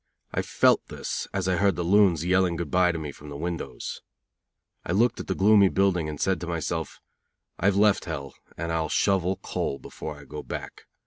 I felt this, as I heard the loons yelling good bye to me from the windows. I looked at the gloomy building and said to myself: "I have left Hell, and I'll shovel coal before I go back.